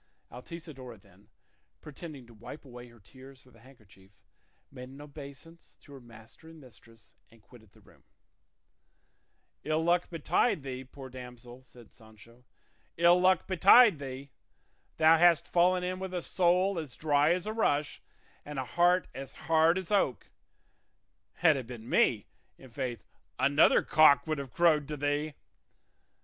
Altisidora then, pretending to wipe away her tears with a handkerchief, made an obeisance to her master and mistress and quitted the room. "Ill luck betide thee, poor damsel," said Sancho, "ill luck betide thee! Thou hast fallen in with a soul as dry as a rush and a heart as hard as oak; had it been me, i'faith 'another cock would have crowed to thee.